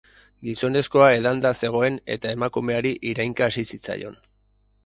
Gizonezkoa edanda zegoen eta emakumeari irainka hasi zitzaion.